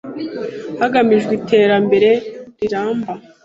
hagamijwe iterambere riramba.